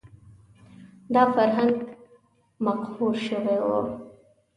دا فرهنګ مقهور شوی و